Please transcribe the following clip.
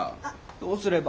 どうすれば？